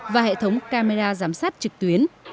và hệ thống camera giám sát trực tuyến